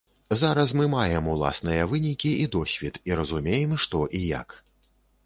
Зараз мы маем уласныя вынікі і досвед, і разумеем, што і як.